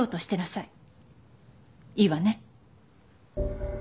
いいわね？